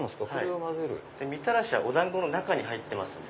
みたらしはお団子の中に入ってますんで。